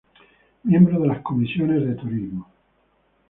Miembro de las comisiones; de Turismo.